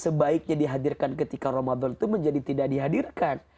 sebaiknya dihadirkan ketika ramadan itu menjadi tidak dihadirkan